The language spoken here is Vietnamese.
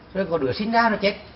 rồi có đứa sinh ra rồi chết